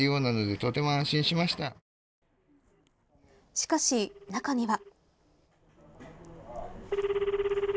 しかし、中には。